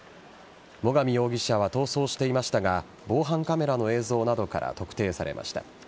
最上容疑者は逃走していましたが防犯カメラの映像などから特定されました。